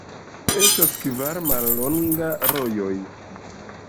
Estas kvar mallongaj rojoj.